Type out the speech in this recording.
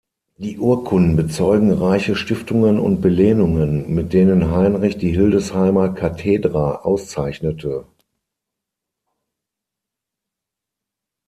Die Urkunden bezeugen reiche Stiftungen und Belehnungen, mit denen Heinrich die Hildesheimer Kathedra auszeichnete.